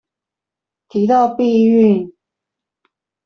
提到避孕